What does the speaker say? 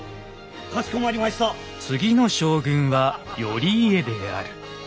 次の将軍は頼家である。